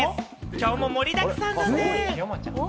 今日も盛りだくさんだね！